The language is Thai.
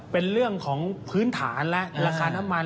เป็นเรื่องของพื้นฐานและราคาน้ำมัน